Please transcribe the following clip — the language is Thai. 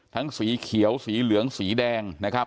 สีเขียวสีเหลืองสีแดงนะครับ